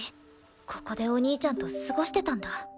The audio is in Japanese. ここでお兄ちゃんと過ごしてたんだ。